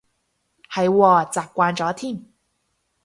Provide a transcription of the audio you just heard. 係喎，習慣咗添